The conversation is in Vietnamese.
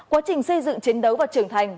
quá trình xây dựng chiến đấu và trưởng thành